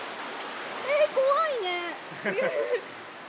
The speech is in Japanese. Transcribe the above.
え怖いね。